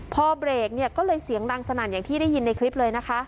พอเบรกเนี่ยก็เลยเสียงดังสนั่นอย่างที่ได้ยินในคลิปเลยนะคะ